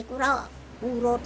saya terlalu sakit